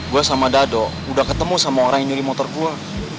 gue sama dado udah ketemu sama orang yang nyuri motor gue